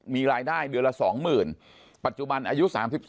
มีรายได้เดือนละ๒๐๐๐ปัจจุบันอายุ๓๒